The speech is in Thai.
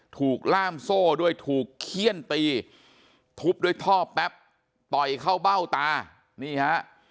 ถูกล่ามโซ่ด้วยถูกเขี้ยนตีทุบด้วยท่อแป๊บต่อยเข้าเบ้าตานี่ฮะ